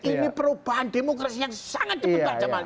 ini perubahan demokrasi yang sangat cepat pak jamal